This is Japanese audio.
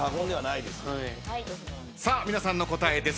さあ皆さんの答え